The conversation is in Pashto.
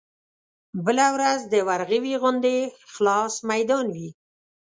بله ورځ د ورغوي غوندې خلاص ميدان وي.